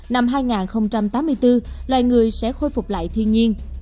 năm hai nghìn tám mươi bốn loài người sẽ khôi phục lại thiên nhiên